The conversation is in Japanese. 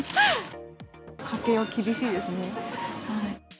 家計は厳しいですね。